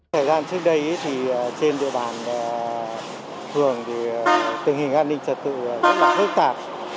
thời gian trước đây thì trên địa bàn phường thì tình hình an ninh trật tự rất là phức tạp